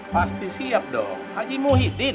pasti siap dong haji muhyiddin